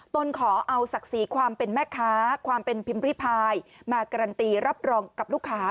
ตนขอเอาศักดิ์ศรีความเป็นแม่ค้าความเป็นพิมพ์ริพายมาการันตีรับรองกับลูกค้า